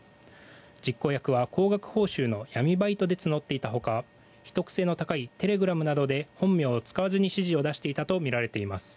実行役は高額報酬の闇バイトで募っていたほか秘匿性の高いテレグラムなどを使い本名を使わずに指示をしていたとみられています。